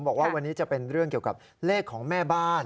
บอกว่าวันนี้จะเป็นเรื่องเกี่ยวกับเลขของแม่บ้าน